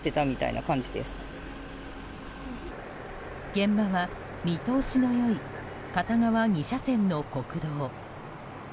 現場は見通しの良い片側２車線の国道。